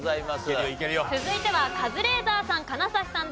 続いてはカズレーザーさん